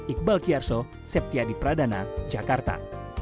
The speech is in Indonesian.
iqbal kiarso septiadi pradana jakarta